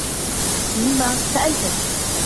لم سألتني؟